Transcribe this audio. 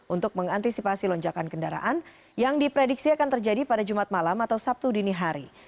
untuk mengantisipasi lonjakan kendaraan yang diprediksi akan terjadi pada jumat malam atau sabtu dini hari